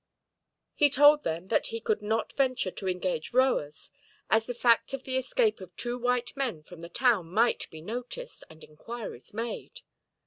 He told them that he could not venture to engage rowers, as the fact of the escape of two white men from the town might be noticed, and inquiries made.